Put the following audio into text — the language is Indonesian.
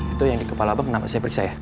itu yang di kepala abang kenapa saya periksa ya